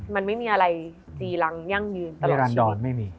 มันไม่มีอะไรจีรั้งย่างยืนประหลากชีวิต